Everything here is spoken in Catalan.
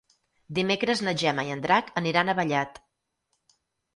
Dimecres na Gemma i en Drac aniran a Vallat.